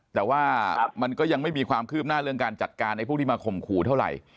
แต่ว่ามันก็ยังไม่มีความคืบหน้าเรื่องการจัดการไอ้พวกที่มาข่มขู่เท่าไหร่